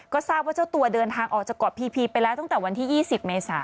ก็ทราบว่าเจ้าตัวเดินทางออกจากเกาะพีพีไปแล้วตั้งแต่วันที่๒๐เมษา